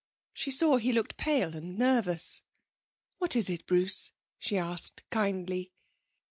She saw he looked pale and nervous. 'What is it, Bruce?' she asked kindly.